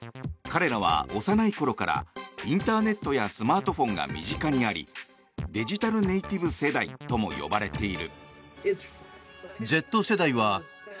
彼らは幼いころからインターネットやスマートフォンが身近にありデジタルネイティブ世代とも呼ばれている。